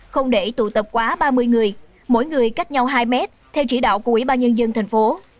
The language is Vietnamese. không để tụ tập quá ba mươi người mỗi người cách nhau hai mét theo chỉ đạo của ubnd tp